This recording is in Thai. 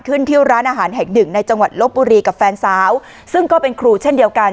ที่ร้านอาหารแห่งหนึ่งในจังหวัดลบบุรีกับแฟนสาวซึ่งก็เป็นครูเช่นเดียวกัน